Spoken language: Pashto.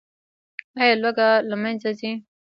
آیا لوږه له منځه ځي؟